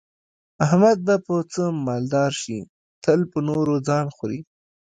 احمد به په څه مالدار شي، تل په نورو ځان خوري.